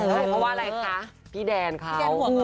เพราะว่าอะไรคะพี่แดนเขา